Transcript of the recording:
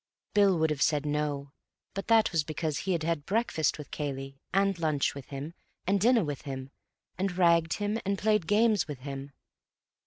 Bill would have said "No," but that was because he had had breakfast with Cayley, and lunch with him, and dinner with him; had ragged him and played games with him.